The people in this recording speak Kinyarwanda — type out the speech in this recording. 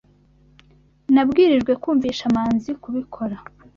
Nabwirijwe kumvisha Manzi kubikora.